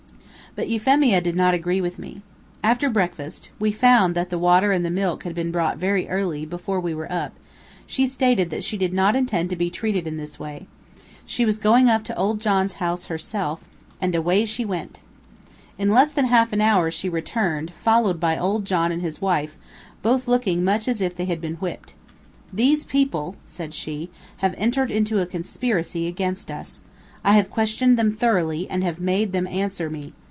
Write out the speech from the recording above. But Euphemia did not agree with me. After breakfast (we found that the water and the milk had been brought very early, before we were up) she stated that she did not intend to be treated in this way. She was going up to old John's house herself; and away she went. In less than half an hour, she returned, followed by old John and his wife, both looking much as if they had been whipped. "These people," said she, "have entered into a conspiracy against us. I have questioned them thoroughly, and have made them answer me.